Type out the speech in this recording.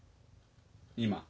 今。